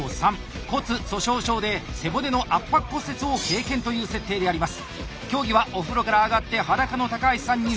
骨粗しょう症で背骨の圧迫骨折を経験という設定であります。